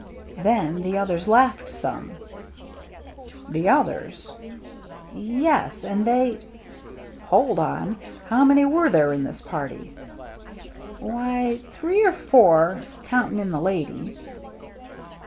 Then the others laughed some —"'' The others r' ' "Yes, and they —"" Hold on ! How many were there in this party ?"" Why, three or four, counting in the lady."